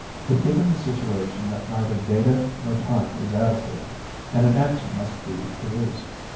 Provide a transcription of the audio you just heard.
But given the situation that neither data nor time is adequate, and an answer must be produced